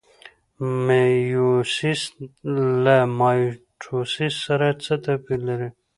میوسیس له مایټوسیس سره څه توپیر لري؟